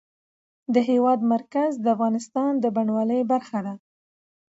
د هېواد مرکز د افغانستان د بڼوالۍ برخه ده.